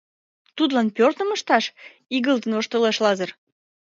Тудлан пӧртым ышташ? — игылтын воштылеш Лазыр.